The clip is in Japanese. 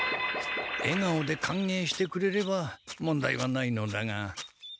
えがおでかんげいしてくれれば問題はないのだが。